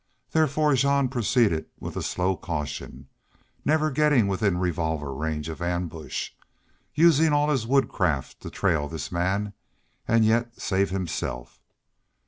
Therefore Jean proceeded with a slow caution, never getting within revolver range of ambush, using all his woodcraft to trail this man and yet save himself.